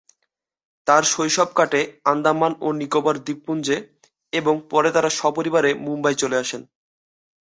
তার শৈশব কাটে আন্দামান ও নিকোবর দ্বীপপুঞ্জে এবং পরে তারা সপরিবারে মুম্বই চলে আসেন।